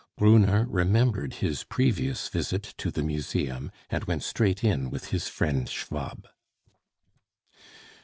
Brunner remembered his previous visit to the museum, and went straight in with his friend Schwab.